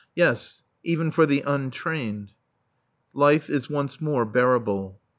Yes: even for the untrained. Life is once more bearable.